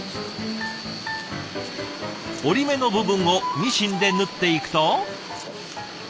折り目の部分をミシンで縫っていくと。